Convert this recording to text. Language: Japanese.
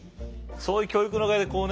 そういう教育のおかげでこうね